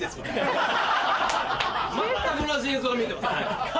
全く同じ映像が見えてます。